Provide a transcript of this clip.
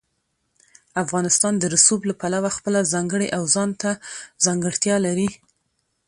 افغانستان د رسوب له پلوه خپله ځانګړې او ځانته ځانګړتیا لري.